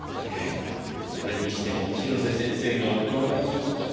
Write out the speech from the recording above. それにしても広瀬先生がおかわいそうだ。